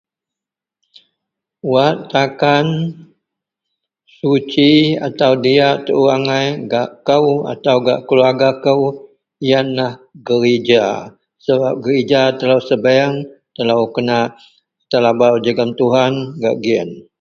Wak takan susi atau diyak tuo angai gak kou atau gak keluarga kou iyenlah gerija sebab gerija telo sebiyeng telo kena telabau jegem Tuhan gak giyen.